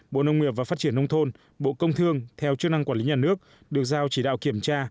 bộ nông nghiệp và phát triển nông thôn bộ công thương theo chức năng quản lý nhà nước được giao chỉ đạo kiểm tra